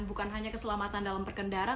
bukan hanya keselamatan dalam berkendara